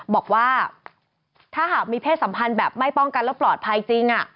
บอกว่าถ้าหากมีเพศสัมพันธ์แบบไม่ป้องกันและปลอดภัยจริง